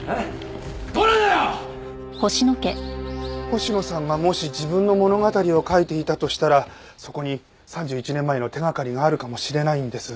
星野さんがもし自分の物語を書いていたとしたらそこに３１年前の手掛かりがあるかもしれないんです。